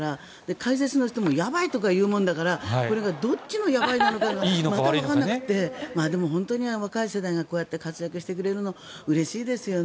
解説の人もやばいとか言うもんだからこれがどっちのやばいなのかなって全くわからなくてでも、本当に若い世代がこうやって活躍してくれるのうれしいですよね。